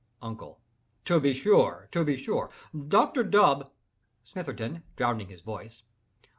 —" UNCLE. "To be sure—to be sure—Doctor Dub—" SMITHERTON. (Drowning his voice.)